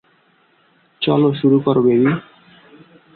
চলো শুরু করো, বেবি।